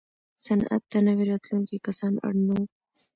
صنعت ته نوي راتلونکي کسان اړ نه وو.